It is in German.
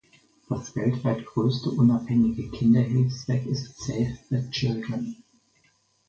Das weltweit größte unabhängige Kinderhilfswerk ist Save the Children.